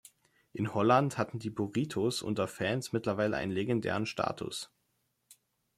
In Holland hatten die Burritos unter Fans mittlerweile einen legendären Status.